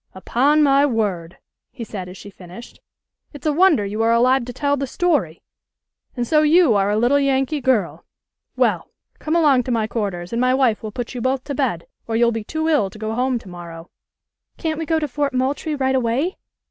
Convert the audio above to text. "Upon my word!" he said as she finished. "It's a wonder you are alive to tell the story. And so you are a little Yankee girl? Well! Come along to my quarters and my wife will put you both to bed, or you'll be too ill to go home to morrow." "Can't we go to Fort Moultrie right away?"